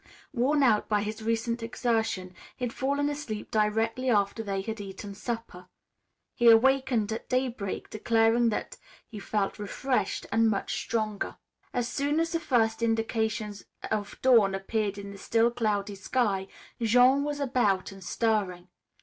Worn out by his recent exertion, he had fallen asleep directly after they had eaten supper. He awakened at daybreak declaring that he felt refreshed and much stronger. As soon as the first indications of dawn appeared in the still cloudy sky, Jean was about and stirring.